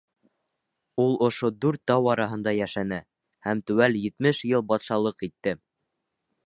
Ул ошо дүрт тау араһында йәшәне һәм теүәл етмеш йыл батшалыҡ итте.